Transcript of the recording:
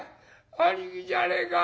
兄貴じゃねえか。